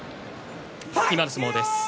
今の相撲です。